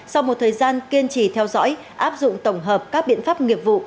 sau một thời gian kiên trì theo dõi áp dụng tổng hợp các biện pháp nghiệp vụ